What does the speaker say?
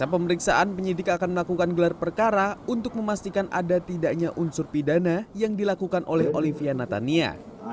pada pemeriksaan penyidik akan melakukan gelar perkara untuk memastikan ada tidaknya unsur pidana yang dilakukan oleh olivia natania